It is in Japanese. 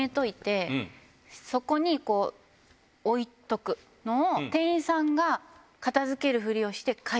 そこに置いとくのを。